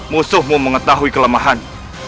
musuhmu mengetahui kelemahan